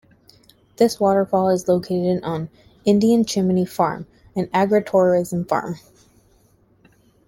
This waterfall is located on Indian Chimney Farm, an agritourism farm.